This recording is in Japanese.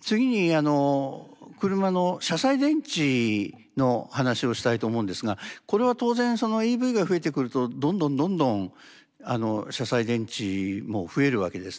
次に車の車載電池の話をしたいと思うんですがこれは当然ＥＶが増えてくるとどんどんどんどん車載電池も増えるわけですね。